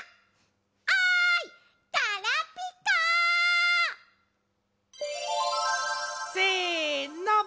おいガラピコ！せの！